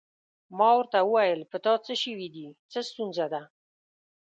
ما ورته وویل: په تا څه شوي دي؟ څه ستونزه ده؟